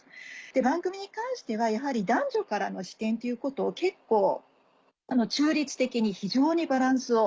番組に関してはやはり男女からの視点ということを結構中立的に非常にバランスを。